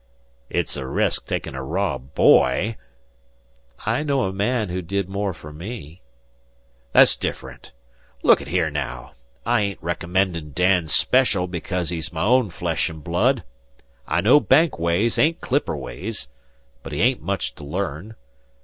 "It's a resk taking a raw boy " "I know a man who did more for me." "That's diff'runt. Look at here naow, I ain't recommendin' Dan special because he's my own flesh an' blood. I know Bank ways ain't clipper ways, but he hain't much to learn.